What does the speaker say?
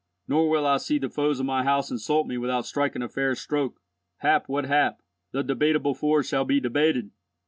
Nor will I see the foes of my house insult me without striking a fair stroke. Hap what hap, the Debateable Ford shall be debated!